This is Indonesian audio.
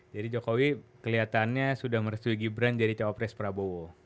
jadi jokowi keliatannya sudah merestui gibran jadi cowok pres prabowo